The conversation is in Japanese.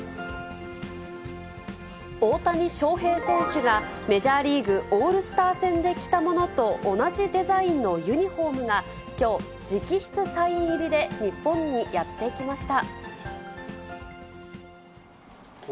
大谷翔平選手が、メジャーリーグオールスター戦で着たものと同じデザインのユニホームが、きょう、直筆サイン入りで、日本にやって来ました。